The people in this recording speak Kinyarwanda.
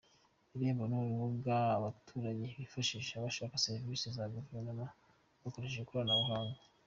Irembo ni urubuga abaturage bifashisha bashaka serivisi za Guverinoma bakoresheje ikoranabuhanga.